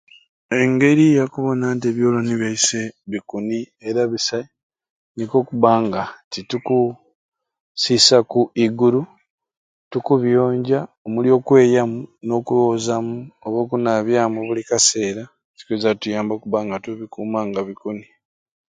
Engeri yakubona nti ebyoloni byaiswe bikuni era bisai nikwo okubanga titukusisaku iguru tukubiyonja omuli okweyamu nokwozamu oba okunabyamu buli kaseera kikwiza kutuyamba okubanga tukubikuma nga bikini.